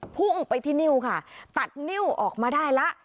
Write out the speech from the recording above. พุ่งไปที่นิ้วค่ะตัดนิ้วออกมาได้แล้ว